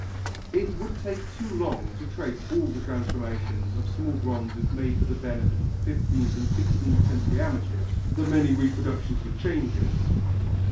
It would take too long to trace all the transformations of small bronzes made for the benefit of the fifteenth and sixteenth century amateurs, the many reproductions with changes.